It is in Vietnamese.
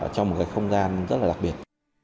trong một cái không gian rất là đặc biệt